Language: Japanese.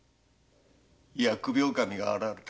疫病神が現れたか。